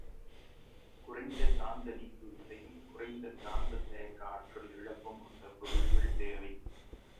குறைந்த காந்த நீக்குவிசையும் குறைந்த காந்தத் தயக்க ஆற்றல் இழப்பும் கொண்ட பொருள்கள் தேவை.